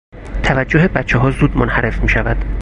توجه بچهها زود منحرف میشود.